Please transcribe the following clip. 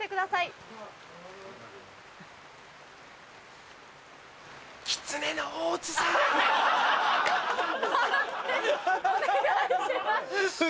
判定お願いします。